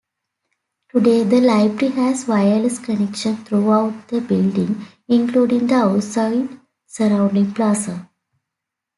Today, the library has wireless connection throughout the building, including the outside surrounding plazas.